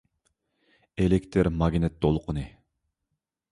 ئېلېكتىر ماگنىت دولقۇنى